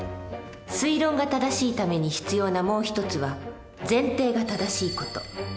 推論が正しいために必要なもう一つは前提が正しいこと。